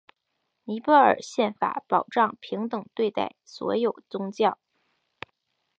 尼泊尔宪法保障平等对待所有宗教。